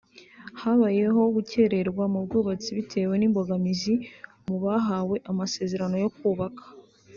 Habayemo gukererwa mu bwubatsi bitewe n’imbogamizi mu bahawe amasezerano yo kubaka